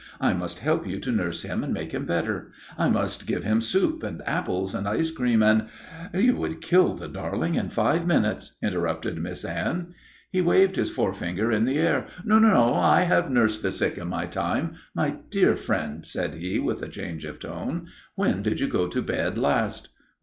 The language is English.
I must help you to nurse him and make him better. I must give him soup and apples and ice cream and " "You would kill the darling in five minutes," interrupted Miss Anne. He waved his forefinger in the air. "No, no, I have nursed the sick in my time. My dear friend," said he, with a change of tone, "when did you go to bed last?"